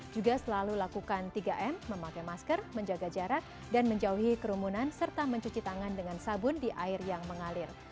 juga selalu lakukan tiga m memakai masker menjaga jarak dan menjauhi kerumunan serta mencuci tangan dengan sabun di air yang mengalir